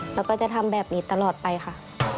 แล้วก็จะทำแบบนี้ตลอดไปค่ะ